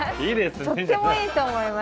とってもいいと思います！